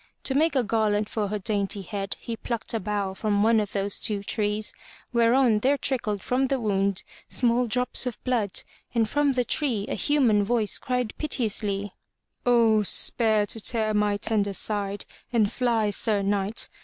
To make a garland for her dainty head, he plucked a bough from one of those two trees, whereon there trickled from the wound small drops of blood, and from the tree a human voice 21 M Y BOOK HOUSE cried piteously, ''O spare to tear my tender side! And fly, Sir Knight